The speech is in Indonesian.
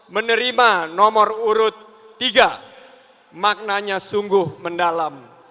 menerima nomor urut tiga maknanya sungguh mendalam